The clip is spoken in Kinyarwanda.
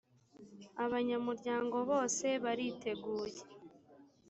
abanyamuryango bose bariteguye.